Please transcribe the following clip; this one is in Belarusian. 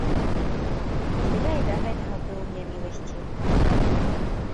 Ды я і да гэтага быў у няміласці.